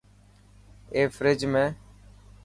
اي فريج ۾.